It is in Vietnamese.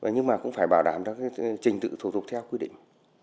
nhưng mà cũng phải bảo đảm trình tự thuộc theo quy định